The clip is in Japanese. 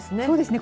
そうですね。